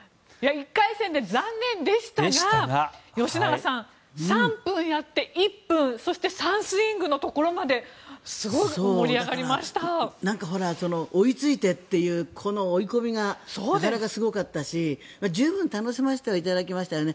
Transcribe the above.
１回戦で残念でしたが吉永さん、３分やって１分そして３スイングのところまで追いついてというこの追い込みがなかなかすごかったし十分、楽しませていただきましたよね。